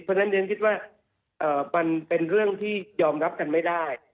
เพราะฉะนั้นเรียนคิดว่ามันเป็นเรื่องที่ยอมรับกันไม่ได้